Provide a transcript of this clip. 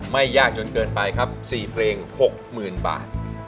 ไม่ยากจนเกินไปครับ๔เพลง๖๐๐๐บาท